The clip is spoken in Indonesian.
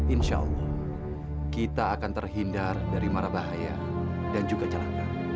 insya allah kita akan terhindar dari marah bahaya dan juga celana